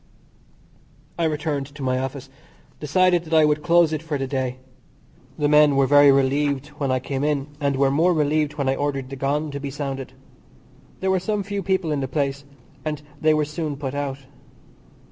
I returned to my office, decided that I would close it for the day. The men were very relieved when I came in, and were more relieved when I ordered the gong to be sounded. There were some few people in the place, and they were soon put out.